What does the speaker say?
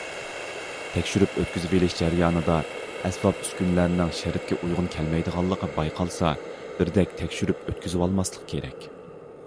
تەكشۈرۈپ ئۆتكۈزۈۋېلىش جەريانىدا ئەسۋاب- ئۈسكۈنىلەرنىڭ شەرتكە ئۇيغۇن كەلمەيدىغانلىقى بايقالسا، بىردەك تەكشۈرۈپ ئۆتكۈزۈۋالماسلىق كېرەك.